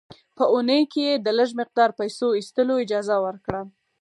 په اونۍ کې یې د لږ مقدار پیسو ایستلو اجازه ورکړه.